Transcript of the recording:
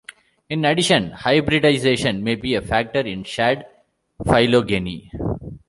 In addition, hybridization may be a factor in shad phylogeny.